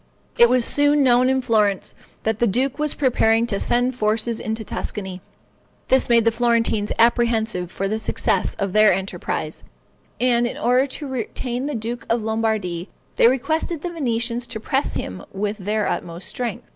It was soon known in Florence that the duke was preparing to send forces into Tuscany. This made the Florentines apprehensive for the success of their enterprise; and in order to retain the duke in Lombardy, they requested the Venetians to press him with their utmost strength.